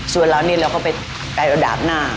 ส่วนเราเนี่ยเราก็ไปดาบหน้า